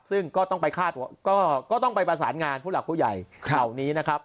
ซึ่งก็ต้องไปประสานงานผู้หลักผู้ใหญ่คราวนี้นะครับ